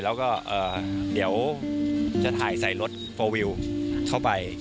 แล้วก็เดี๋ยวจะถ่ายใส่รถโฟลวิวเข้าไป